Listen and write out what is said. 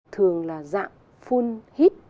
thường là dạng full hit